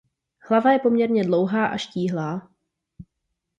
Hlava je poměrně dlouhá a štíhlá.